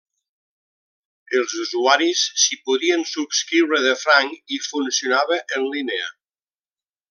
Els usuaris s'hi podien subscriure de franc i funcionava en línia.